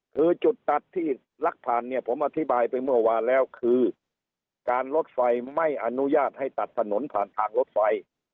คือจุดตัดที่ลักผ่านเนี่ยผมอธิบายไปเมื่อวานแล้วคือการรถไฟไม่อนุญาตให้ตัดถนนผ่านทางรถไฟ